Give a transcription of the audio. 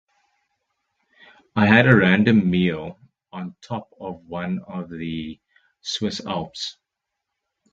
I had a random meal on top of one of the Swiss Alps.